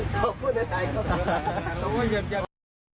ขอบคุณในไทยครับ